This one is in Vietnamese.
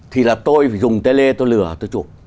thì là tôi dùng tê lê tôi lửa tôi chụp